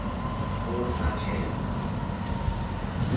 কুমু স্নান সেরে এল।